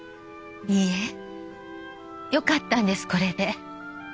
いいえよかったんですこれで。